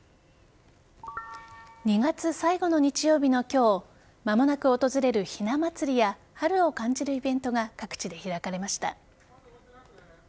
２月最後の日曜日の今日間もなく訪れるひな祭りや春を感じるイベントが各地で開かれました。